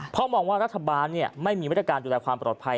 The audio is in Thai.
เพราะมองว่ารัฐบาลไม่มีมาตรการดูแลความปลอดภัย